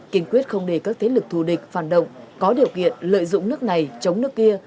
kiên quyết không để các thế lực thù địch phản động có điều kiện lợi dụng nước này chống nước kia